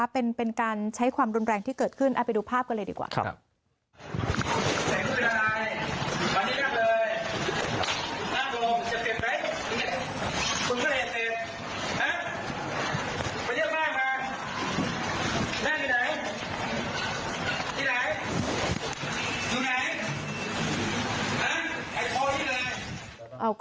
เป็นการใช้ความรุนแรงที่เกิดขึ้นไปดูภาพกันเลยดีกว่า